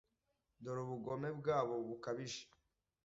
dore ubugome bwabo bukabije!